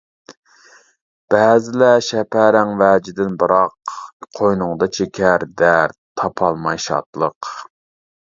بەزىلەر شەپەرەڭ ۋەجىدىن بىراق، قوينۇڭدا چېكەر دەرد، تاپالماي شادلىق.